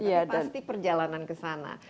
tapi pasti perjalanan ke sana